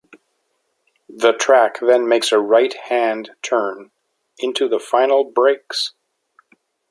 The track then makes a right hand turn into the final brakes.